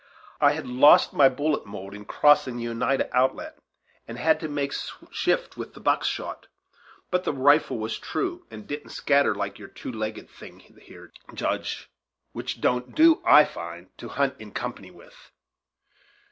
"I had lost my bullet mould in crossing the Oneida outlet, and had to make shift with the buckshot; but the rifle was true, and didn't scatter like your two legged thing there, Judge, which don't do, I find, to hunt in company with."